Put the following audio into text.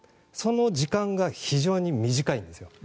その時間が非常に短いんです。